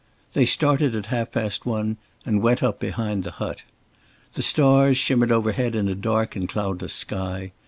They started at half past one and went up behind the hut. The stars shimmered overhead in a dark and cloudless sky.